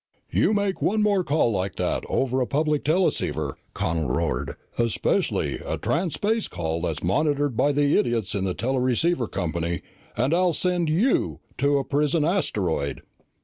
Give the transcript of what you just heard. "You make one more call like that over a public teleceiver," Connel roared, "especially a transspace call that's monitored by the idiots in the teleceiver company, and I'll send you to a prison asteroid!"